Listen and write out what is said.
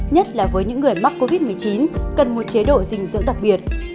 nhất là với những người mắc covid một mươi chín cần một chế độ dinh dưỡng đặc biệt